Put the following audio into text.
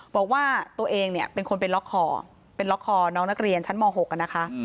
บอกว่าตัวเองเนี่ยเป็นคนไปล็อกคอเป็นล็อกคอน้องนักเรียนชั้นม๖นะคะ